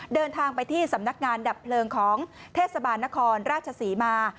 เดินทางไปที่สำนักงานดับเพลิงของเทศบาลนครราชศรีมา